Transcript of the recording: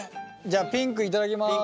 じゃあピンク頂きます。